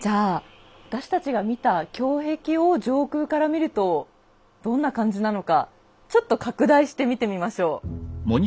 じゃあ私たちが見た胸壁を上空から見るとどんな感じなのかちょっと拡大して見てみましょう。